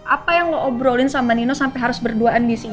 apa yang lo obrolin sama nino sampai harus berduaan di sini